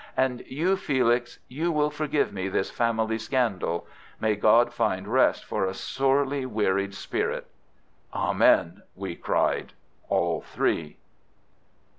And you, Felix, you will forgive me this family scandal. May God find rest for a sorely wearied spirit!'" "Amen!" we cried, all three.